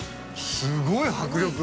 ◆すっごい迫力。